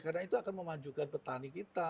karena itu akan memanjukan petani kita